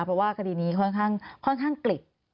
เพราะว่าคดีนี้ค่อนข้างกลิด